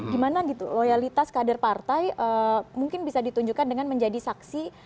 gimana gitu loyalitas kader partai mungkin bisa ditunjukkan dengan menjadi saksi